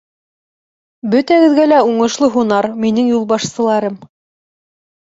Бөтәгеҙгә лә уңышлы һунар, минең юлбашсыларым.